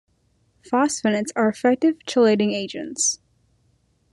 Phosphonates are effective chelating agents.